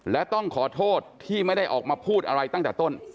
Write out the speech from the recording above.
และต้องขอโทษที่ไม่ได้ออกมาพูดอะไรตั้งแต่ต้น